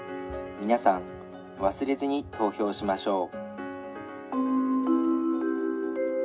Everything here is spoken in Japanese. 皆さん、忘れずに投票しましょう。